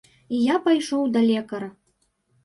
І я пайшоў да лекара.